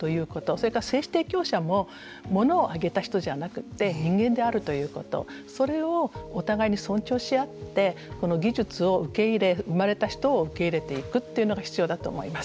それから精子提供者もものをあげた人じゃなくて人間であるということそれをお互いに尊重し合ってこの技術を受け入れ生まれた人を受け入れていくということが必要だと思います。